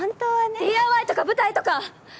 ＤＩＹとか舞台とか！